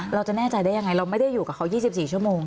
เราจะแน่ใจได้ยังไงเราไม่ได้อยู่กับเขา๒๔ชั่วโมง